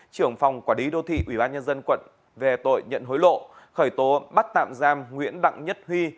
trưởng phòng quản lý đô thị ubnd quận về tội nhận hối lộ khởi tố bắt tạm giam nguyễn đặng nhất huy